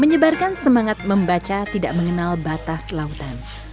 menyebarkan semangat membaca tidak mengenal batas lautan